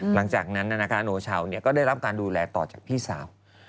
หลังจากนั้นโนชาวก็ได้รับการดูแลต่อจากพี่สาว